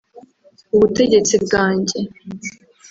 “… ubutegetsi bwanjye …”